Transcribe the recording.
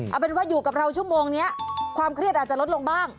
เอาเป็นว่าอยู่กับเราชั่วโมงนี้ความเครียดอาจจะลดลงบ้าง